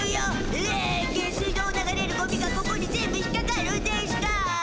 ひえ下水道を流れるゴミがここに全部引っかかるんでしゅか？